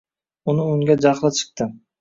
Uni unga jahli chiqdi.